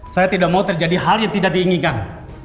saya tidak mau terjadi hal yang tidak diinginkan